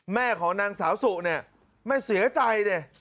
แม่ของนางสาวสุเนี่ยแม่เสียใจดิ